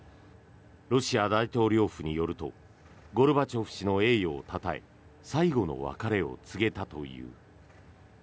ロシア大統領府によるとゴルバチョフ氏の栄誉をたたえ最後の別れを告げたという。